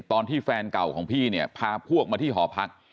ตอนที่แฟนเก่าของพี่เนี่ยพาพวกมาที่หอพัก